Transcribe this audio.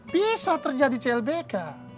bisa terjadi clbk